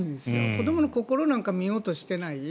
子どもの心なんか見ようとしていない。